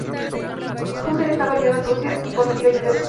Hussein estaba aliado en Rusia y fue a pedir ayuda a Moscú.